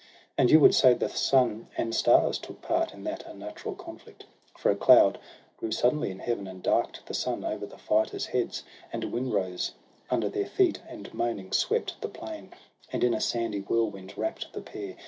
And you would say that sun and stars took part In that unnatural conflict ; for a cloud Grew suddenly in Heaven, and dark'd the sun Over the fighters' heads; and a wind rose Under their feet, and moaning swept the plain, And in a sandy whirlwind wrapp'd the pair.